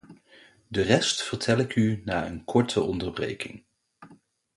De rest vertel ik u na een korte onderbreking.